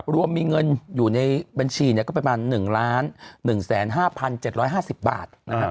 รวมมีเงินอยู่ในบัญชีก็ประมาณ๑๑๕๗๕๐บาท